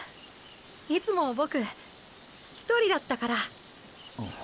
いつもボク１人だったから。